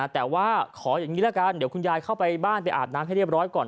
แต่ว่าขออย่างนี้ละกันเดี๋ยวคุณยายเข้าไปบ้านไปอาบน้ำให้เรียบร้อยก่อน